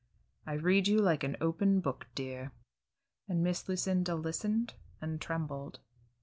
I read you like an open book, dear." And Miss Lucinda listened and trembled.